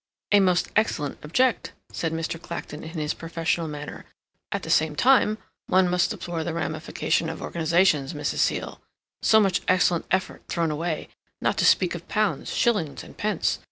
"A most excellent object," said Mr. Clacton in his professional manner. "At the same time, one must deplore the ramification of organizations, Mrs. Seal. So much excellent effort thrown away, not to speak of pounds, shillings, and pence.